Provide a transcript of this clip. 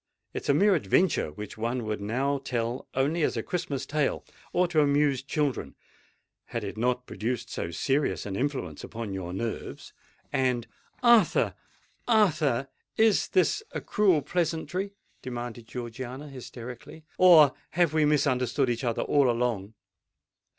It is a mere adventure which one would now tell only as a Christmas tale—or to amuse children,—had it not produced so serious an influence upon your nerves, and——" "Arthur! Arthur! is this a cruel pleasantry?" demanded Georgiana hysterically; "or have we misunderstood each other all along?"